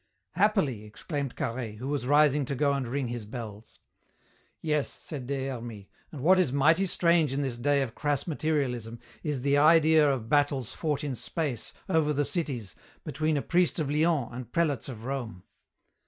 "Happily!" exclaimed Carhaix, who was rising to go and ring his bells. "Yes," said Des Hermies, "and what is mighty strange in this day of crass materialism is the idea of battles fought in space, over the cities, between a priest of Lyons and prelates of Rome."